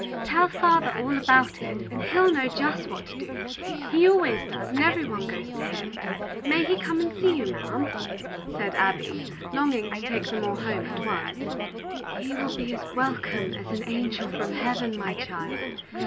"Tell father all about it, and he'll know just what to do. He always does, and every one goes to him. May he come and see you, ma'am?" said Abby, longing to take them all home at once. "He will be as welcome as an angel from Heaven, my child.